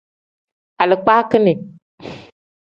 Alikpakin.